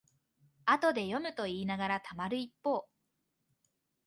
後で読むといいながらたまる一方